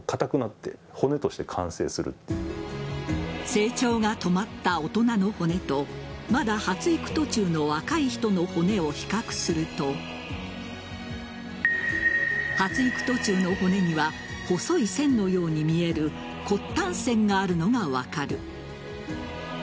成長が止まった大人の骨とまだ発育途中の若い人の骨を比較すると発育途中の骨には細い線のように見える骨端線があるのが分かる。